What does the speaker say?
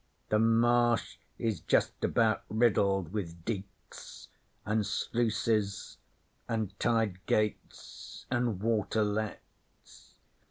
'The Marsh is justabout riddled with diks an' sluices, an' tide gates an' water lets.